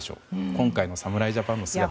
今回の侍ジャパンの姿に。